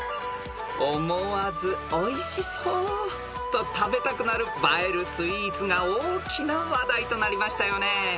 ［思わず「おいしそう！」と食べたくなる映えるスイーツが大きな話題となりましたよね］